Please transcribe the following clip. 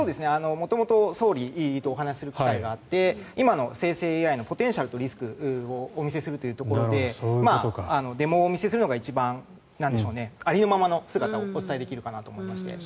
元々、総理とお話しする機会があって今の生成ＡＩのポテンシャルとリスクをお見せするというところでデモをお見せするのがありのままの姿をお伝えできるかなと思いまして。